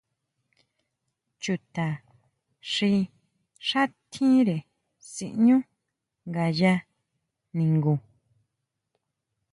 ¿Chuta xi xá tjire siʼñu ngaya ningu.